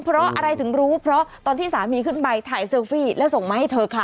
เพราะอะไรถึงรู้เพราะตอนที่สามีขึ้นไปถ่ายเซลฟี่แล้วส่งมาให้เธอค่ะ